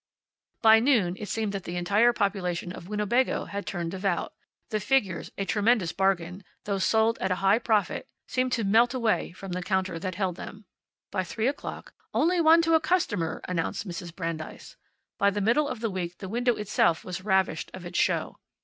By noon it seemed that the entire population of Winnebago had turned devout. The figures, a tremendous bargain, though sold at a high profit, seemed to melt away from the counter that held them. By three o'clock, "Only one to a customer!" announced Mrs. Brandeis. By the middle of the week the window itself was ravished of its show.